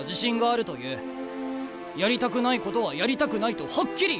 やりたくないことはやりたくないとはっきり言う。